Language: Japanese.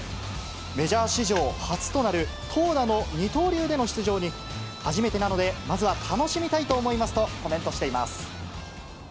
メジャー史上初となる投打の二刀流での出場に、初めてなので、まずは楽しみたいと思いますとコメントしています。